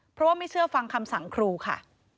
เพราะว่าไม่เชื่อฟังคำสั่งครูค่ะ